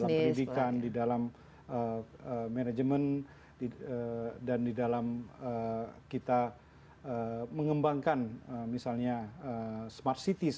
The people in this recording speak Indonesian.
dalam pendidikan di dalam manajemen dan di dalam kita mengembangkan misalnya smart cities